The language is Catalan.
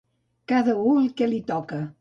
Cada u el que li toca.